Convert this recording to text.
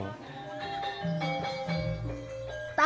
pembangunan ebek di rombongan